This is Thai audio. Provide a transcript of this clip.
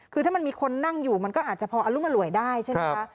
คือถ้ามันมีคนนั่งอยู่มันก็อาจจะพออรุมอร่วยได้ใช่ไหมคะ